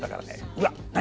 うわっ何